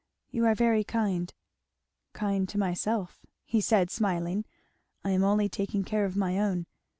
"You are very kind " "Kind to myself," he said smiling. "I am only taking care of my own.